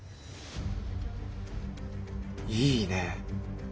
いいねぇ。